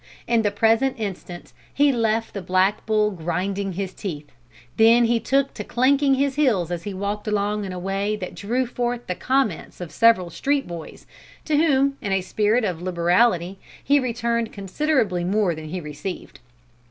In the present instance, he left the Black Bull grinding his teeth. Then he took to clanking his heels as he walked along in a way that drew forth the comments of several street boys, to whom, in a spirit of liberality, he returned considerably more than he received.